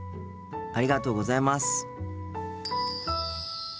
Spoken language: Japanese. ありがとうございます。